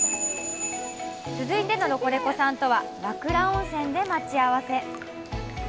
続いてのロコレコさんとは和倉温泉で待ち合わせ。